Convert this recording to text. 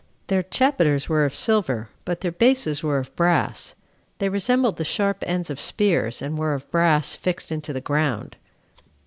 Their chapiters were of silver, but their bases were of brass: they resembled the sharp ends of spears, and were of brass, fixed into the ground.